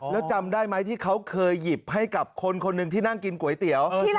แล้วจำได้ไหมที่เขาเคยหยิบให้กับคนคนหนึ่งที่นั่งกินก๋วยเตี๋ยว